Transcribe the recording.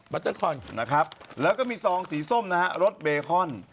เตอร์คอนนะครับแล้วก็มีซองสีส้มนะฮะรถเบคอน